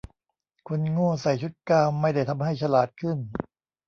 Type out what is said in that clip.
คนโง่ใส่ชุดกาวน์ไม่ได้ทำให้ฉลาดขึ้น